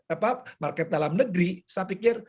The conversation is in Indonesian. apa market dalam negeri saya pikir